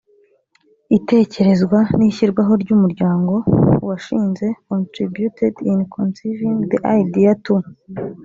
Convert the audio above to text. itekerezwa n ishyirwaho ry umuryango. uwashinze contributed in conceiving the idea to